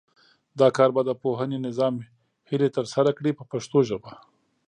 دا کار به د پوهنې نظام هیلې ترسره کړي په پښتو ژبه.